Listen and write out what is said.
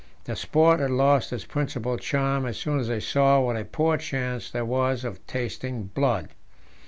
The sport had lost its principal charm as soon as they saw what a poor chance there was of tasting blood.